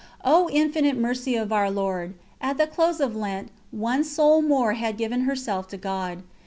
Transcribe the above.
O Infinite Mercy of our Lord! At the close of Lent, one soul more had given herself to God.